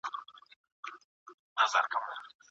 علم د انسان د وقار وسيله ده.